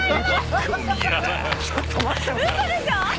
ちょっと待って。